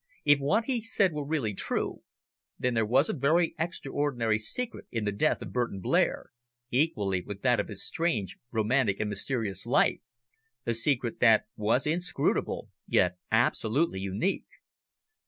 If what he said were really true, then there was a very extraordinary secret in the death of Burton Blair, equally with that of his strange, romantic and mysterious life a secret that was inscrutable, yet absolutely unique.